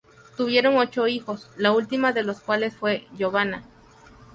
Tuvieron ocho hijos, la última de los cuales fue Giovanna.